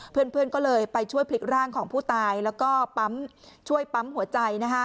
เพื่อนก็เลยไปช่วยพลิกร่างของผู้ตายแล้วก็ปั๊มช่วยปั๊มหัวใจ